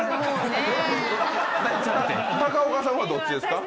高岡さんはどっちですか？